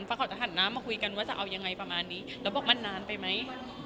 เพราะเขาจะหันหน้ามาคุยกันว่าจะเอายังไงประมาณนี้แล้วบอกมันนานไปไหม